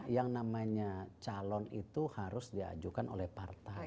yang namanya calon itu harus diajukan oleh partai